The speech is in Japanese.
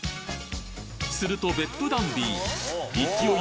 すると別府ダンディー勢い